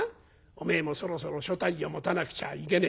『おめえもそろそろ所帯を持たなくちゃいけねえ。